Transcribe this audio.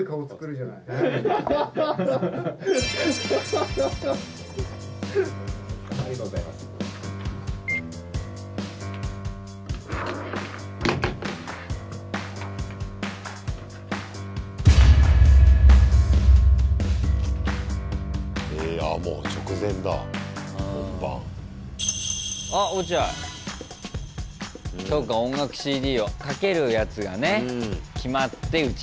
そうか音楽ＣＤをかけるやつがね決まって打ち合わせで。